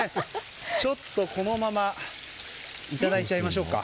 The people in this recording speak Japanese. ちょっとこのままいただいちゃいましょうか。